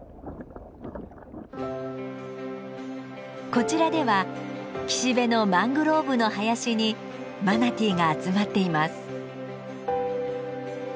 こちらでは岸辺のマングローブの林にマナティーが集まっています。